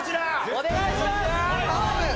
お願いします！